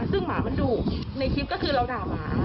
ซึ่งหมามันดุในคลิปก็คือเราด่าหมา